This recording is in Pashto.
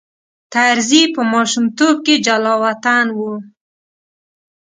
طرزی په ماشومتوب کې جلاوطن و.